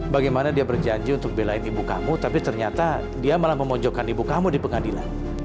bagaimana dia berjanji untuk belain ibu kamu tapi ternyata dia malah memojokkan ibu kamu di pengadilan